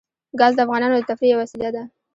ګاز د افغانانو د تفریح یوه وسیله ده.